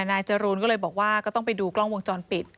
นายจรูนก็เลยบอกว่าก็ต้องไปดูกล้องวงจรปิด